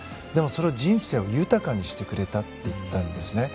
でも、それは人生を豊かにしてくれたって言ったんです。